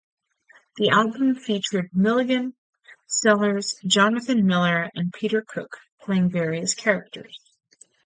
The album featured Milligan, Sellers, Jonathan Miller, and Peter Cook, playing various characters.